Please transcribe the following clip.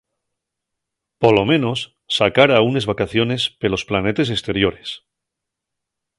Polo menos sacara unes vacaciones pelos planetes esteriores.